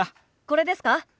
これですか？